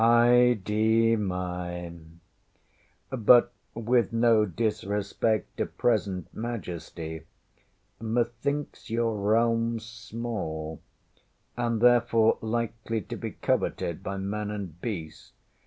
Ay de mi! But with no disrespect to present majesty, methinks your realmŌĆÖ small, and therefore likely to be coveted by man and beast.